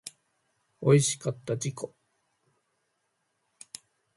おいしかった自己